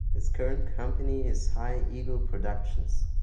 His current company is High Eagle Productions.